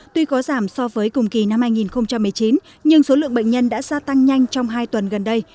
tuy có giảm so với cùng kỳ năm hai nghìn một mươi chín nhưng số lượng bệnh nhân đã gia tăng nhanh trong hai tuần gần đây